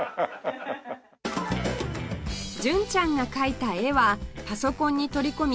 純ちゃんが描いた絵はパソコンに取り込み